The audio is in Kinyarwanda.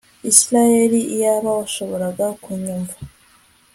israheli, iyaba washoboraga kunyumva